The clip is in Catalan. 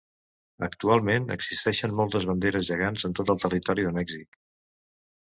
Actualment existeixen moltes banderes gegants en tot el territori de Mèxic.